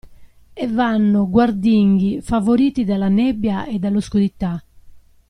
E vanno, guardinghi, favoriti dalla nebbia e dall'oscurità.